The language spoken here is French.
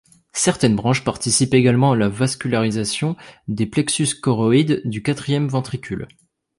Certaines branches participent également à la vascularisation des plexus choroïdes du quatrième ventricule.